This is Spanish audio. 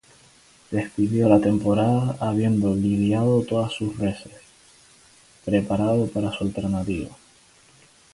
Despidió la temporada habiendo lidiado todas sus reses, preparado para su alternativa.